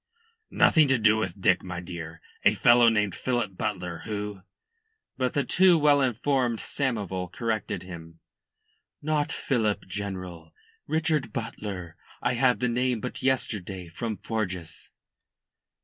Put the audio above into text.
"Nothing to do with Dick, my dear. A fellow named Philip Butler, who " But the too well informed Samoval corrected him. "Not Philip, General Richard Butler. I had the name but yesterday from Forjas."